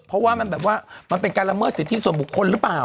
เพราะว่ามันแบบว่ามันเป็นการละเมิดสิทธิส่วนบุคคลหรือเปล่า